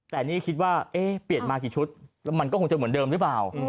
แต่นี่คิดว่าเปลี่ยนมากี่ชุดแล้วมันก็คงจะเหมือนเดิมหรือเปล่า